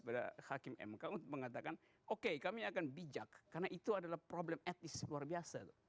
pada hakim mk untuk mengatakan oke kami akan bijak karena itu adalah problem etis luar biasa